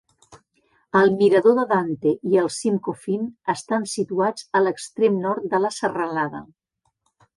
El mirador de Dante i el cim Coffin estan situats a l'extrem nord de la serralada.